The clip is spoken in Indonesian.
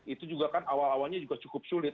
itu juga kan awal awalnya juga cukup sulit